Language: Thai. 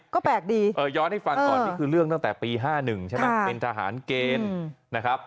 ก็แปลกดีย้อนให้ฟังก่อนนี่คือเรื่องตั้งแต่ปี๕๑ใช่ไหมเป็นทหารเกณฑ์นะครับ